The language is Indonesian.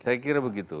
saya kira begitu